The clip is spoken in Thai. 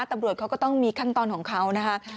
ตำรวจเขาก็ต้องมีขั้นตอนของเขานะคะ